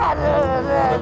atau ada garanya yang kecil